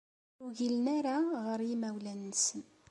Ur ugilen ara ɣer yimawlan-nsen.